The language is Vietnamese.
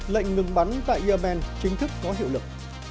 lệnh ngừng bắn tại yemen chính thức có hiệu lực